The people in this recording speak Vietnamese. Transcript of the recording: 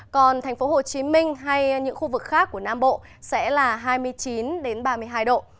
còn thành phố hồ chí minh hay những khu vực khác của nam bộ sẽ là hai mươi chín ba mươi hai độ